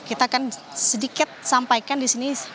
kita akan sedikit sampaikan disini